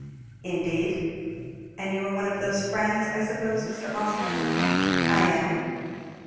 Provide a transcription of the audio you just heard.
"Indeed; and you are one of those friends, I suppose, Mr. Austin?" "I am."